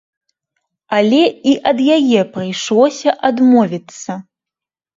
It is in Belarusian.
Але і ад яе прыйшлося адмовіцца.